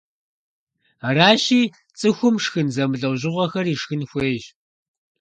Аращи, цӀыхум шхын зэмылӀэужъыгъуэхэр ишхын хуейщ.